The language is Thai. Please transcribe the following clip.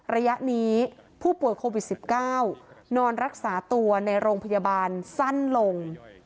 ระยะนี้ผู้ป่วยโควิด๑๙นอนรักษาตัวในโรงพยาบาลสั้นลง